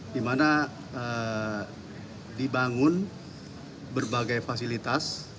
dimana dibangun berbagai fasilitas